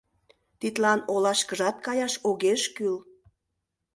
Тидлан олашкыжат каяш огеш кӱл.